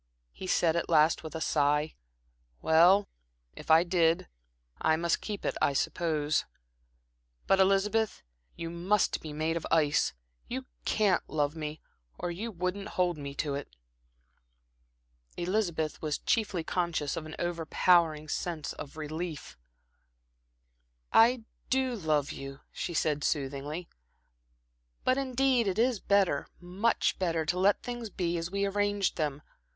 he said at last with a sigh. "Well, if I did, I must keep it, I suppose. But, Elizabeth, you must be made of ice you can't love me, or you wouldn't hold me to it." Elizabeth was chiefly conscious of an overpowering sense of relief. "I do love you," she said, soothingly, "but indeed it is better much better to let things be as we arranged them.